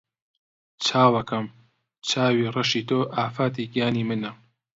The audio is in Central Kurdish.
چاوەکەم! چاوی ڕەشی تۆ ئافەتی گیانی منە